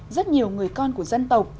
rất nhiều người con của dân tộc